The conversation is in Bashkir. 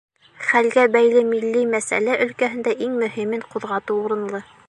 Хәлгә бәйле милли мәсьәлә өлкәһендә иң мөһимен ҡуҙғатыу урынлы.